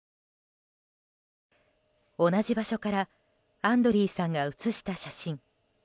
同じ場所からアンドリーさんが写した写真。